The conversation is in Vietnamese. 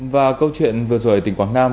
và câu chuyện vừa rồi tỉnh quảng nam